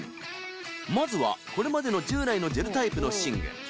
まずはこれまでの従来のジェルタイプの寝具